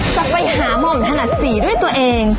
จะไปหาหม่อมถนัดสีด้วยตัวเอง